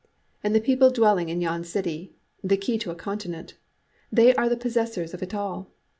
And the people dwelling in yon city the key to a continent they are the possessors of it all.